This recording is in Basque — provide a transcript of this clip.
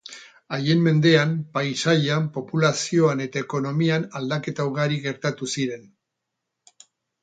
Haien mendean, paisaian, populazioan eta ekonomian aldaketa ugari gertatu ziren.